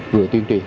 vừa tuyên truyền